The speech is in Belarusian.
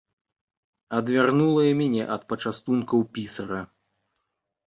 Адвярнула і мяне ад пачастункаў пісара.